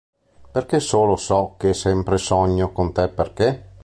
Perché solo so che sempre sogno con te perché?